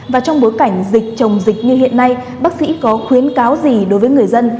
và trong bối cảnh dịch chồng dịch như hiện nay bác sĩ có khuyến cáo gì đối với người dân